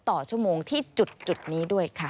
ต่อชั่วโมงที่จุดนี้ด้วยค่ะ